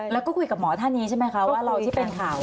แล้วก็คุยกับหมอท่านนี้ใช่ไหมคะว่าเราที่เป็นข่าว